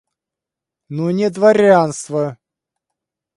Но не дворянство.